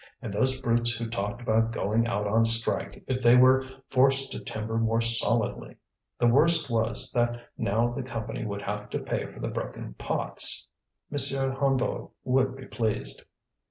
and those brutes who talked about going out on strike if they were forced to timber more solidly. The worst was that now the Company would have to pay for the broken pots. M. Hennebeau would be pleased!